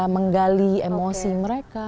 menggali emosi mereka